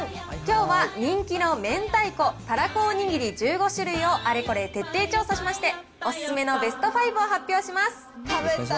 きょうは人気の明太子・たらこおにぎり１５種類を、あれこれ徹底調査しまして、お勧めのベスト５を発表します。